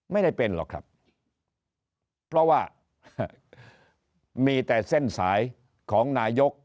ไม่ได้เป็นหรอกครับเพราะว่ามีแต่เส้นสายของนายก